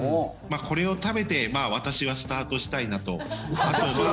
これを食べて私はスタートしたいなと。